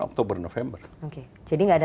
oktober november oke jadi tidak ada